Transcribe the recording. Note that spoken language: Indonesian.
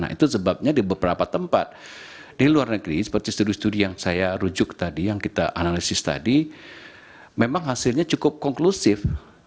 nah itu sebabnya di beberapa tempat di luar negeri seperti studi studi yang saya rujuk tadi yang kita analisis tadi memang hasilnya cukup konklusif